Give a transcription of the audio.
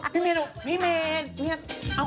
พี่เมล์หนูพี่เมล์